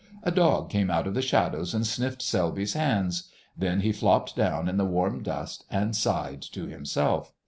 A dog came out of the shadows and sniffed Selby's hands: then he flopped down in the warm dust and sighed to himself.